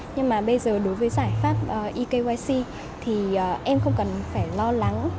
nhưng mà bây giờ đối với giải pháp ekyc thì em không cần phải lo lắng